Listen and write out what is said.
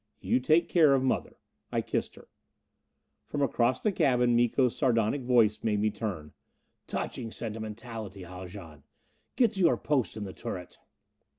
"You take care of mother." I kissed her. From across the cabin Miko's sardonic voice made me turn. "Touching sentimentality, Haljan! Get to your post in the turret!"